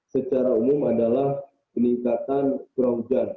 secara umum adalah peningkatan curah hujan